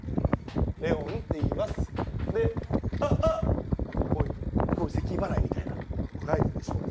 レオンっていいますであっあっこういうこういうせき払いみたいなここ書いてるでしょう